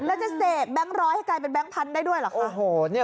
แล้วจะเสพแบงค์ร้อยให้กลายเป็นแก๊งพันธุ์ได้ด้วยเหรอคะ